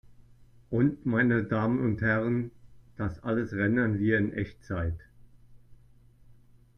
Und, meine Damen und Herren, das alles rendern wir in Echtzeit